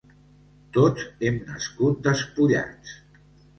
Tots hem nascut despullats.